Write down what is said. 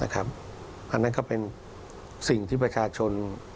อันนั้นก็เป็นสิ่งที่ประชาชน